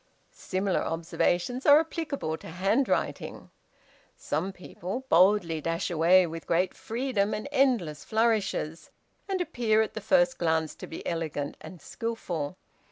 "Similar observations are applicable to handwriting. Some people boldly dash away with great freedom and endless flourishes, and appear at the first glance to be elegant and skilful.